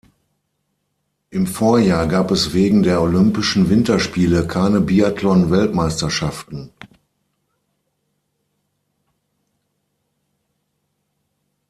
Im Vorjahr gab es wegen der Olympischen Winterspiele keine Biathlon-Weltmeisterschaften.